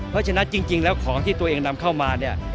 เพราะฉะนั้นจริงแล้วของที่ตัวเองนำเข้ามาเนี่ย